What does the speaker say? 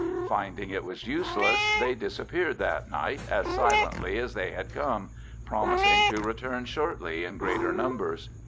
Finding it was useless, they disappeared that night as silently as they had come, promising to return shortly in greater numbers.